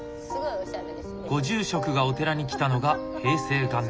ご住職がお寺に来たのが平成元年。